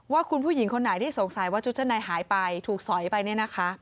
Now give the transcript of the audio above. ว่าคุณผู้หญิงคนไหนที่สงสัยว่าชุดชั้นในหายไปถูกสอยไปเนี่ยนะคะ